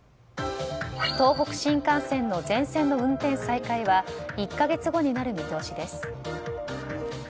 東北新幹線の全線の運転再開は１か月後になる見通しです。